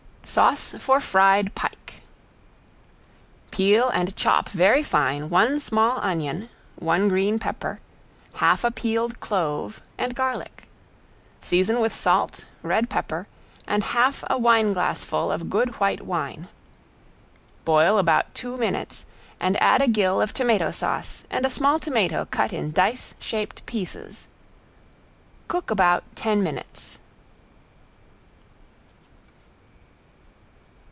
~SAUCE FOR FRIED PIKE~ Peel and chop very fine one small onion, one green pepper, half a peeled clove, and garlic. Season with salt, red pepper and half a wine glassful of good white wine. Boil about two minutes and add a gill of tomato sauce and a small tomato cut in dice shaped pieces. Cook about ten minutes.